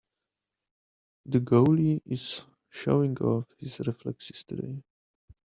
The goalie is showing off his reflexes today.